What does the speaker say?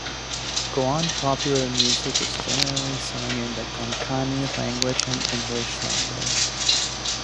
Goan popular music is generally sung in the Konkani language and English language.